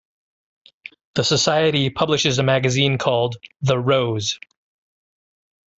The society publishes a magazine called "The Rose".